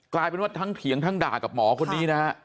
กลายเป็นว่าทั้งเถียงทั้งด่ากับหมอคนนี้นะฮะ